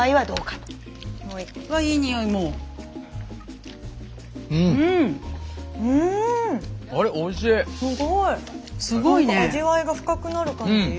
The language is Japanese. なんか味わいが深くなる感じ。